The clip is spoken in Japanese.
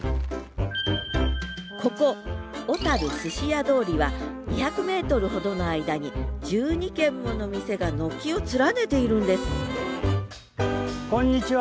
ここ小寿司屋通りは２００ｍほどの間に１２軒もの店が軒を連ねているんですこんにちは。